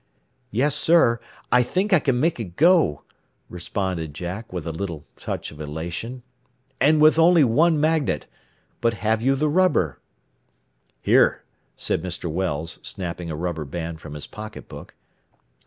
"Yes, sir. I think I can make it go," responded Jack with a little touch of elation. "And with only one magnet. But have you the rubber?" "Here," said Mr. Wells, snapping a rubber band from his pocketbook.